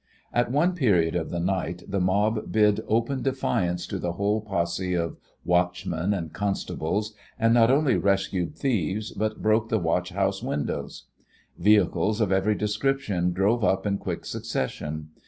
At one period of the night the mob bid open defiance to the whole posse of watchmen and constables, and not only rescued thieves, but broke the watch house windows. Vehicles of every description drove up in quick succession.